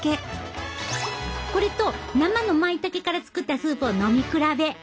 これと生のまいたけから作ったスープを飲み比べ！